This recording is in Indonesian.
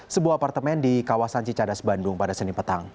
sebuah apartemen di kawasan cicadas bandung pada senin petang